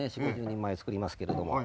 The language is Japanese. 人前作りますけれども。